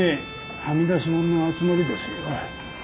はみ出しもんの集まりですよ。